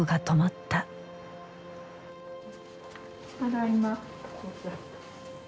ただいま。